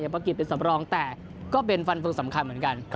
ประกิจเป็นสำรองแต่ก็เป็นฟันเฟืองสำคัญเหมือนกัน